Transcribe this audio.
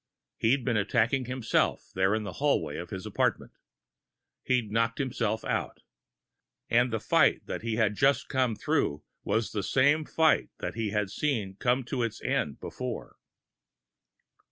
He'd been attacking himself there in the hallway of his apartment! He'd knocked himself out. And the fight he had just been through was the same fight that he had seen come to its end before!